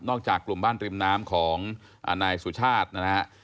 จากกลุ่มบ้านริมน้ำของนายสุชาตินะฮะ